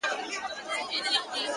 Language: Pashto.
څه یې مسجد دی څه یې آذان دی”